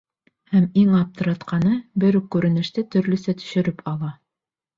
Һәм иң аптыратҡаны — бер үк күренеште төрлөсә төшөрөп ала.